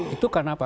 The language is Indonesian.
itu karena apa